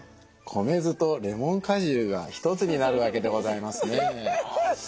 米酢とレモン果汁が一つになるわけでございますね。